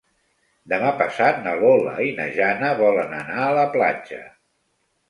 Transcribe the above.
Demà passat na Lola i na Jana volen anar a la platja.